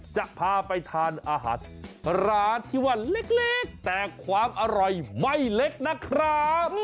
จะพาไปทานอาหารร้านที่ว่าเล็กแต่ความอร่อยไม่เล็กนะครับ